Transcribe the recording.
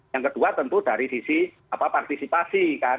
yang kedua tentu dari sisi partisipasi kan